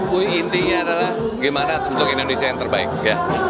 tapi intinya adalah gimana untuk indonesia yang terbaik ya